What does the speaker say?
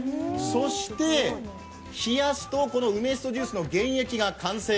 そして冷やすと、この梅しそジュースの原液が完成。